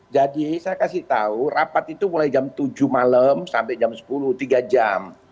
jadi saya kasih tahu rapat itu mulai jam tujuh malam sampai jam sepuluh tiga jam